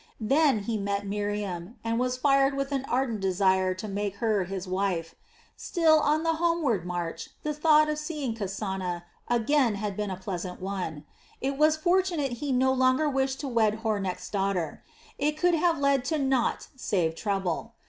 Then he met Miriam and was fired with an ardent desire to make her his wife. Still, on the homeward march the thought of seeing Kasana again had been a pleasant one. It was fortunate he no longer wished to wed Hornecht's daughter; it could have led to naught save trouble.